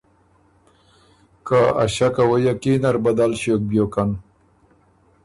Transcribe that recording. که ا ݭکه وه یقین نر بدل ݭیوک بیوکن۔